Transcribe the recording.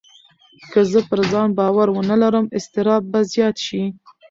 که زه پر ځان باور ونه لرم، اضطراب به زیات شي.